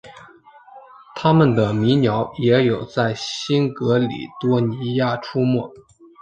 它们的迷鸟也有在新喀里多尼亚出没。